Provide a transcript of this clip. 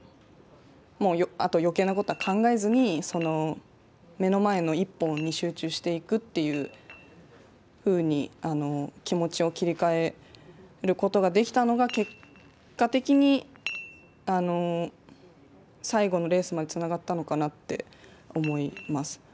あと余計なことは考えずに目の前の１本に集中していくっていうふうに気持ちを切り替えることができたのが結果的に最後のレースまでつながったのかなって思います。